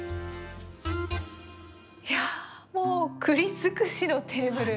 いやもう栗尽くしのテーブル。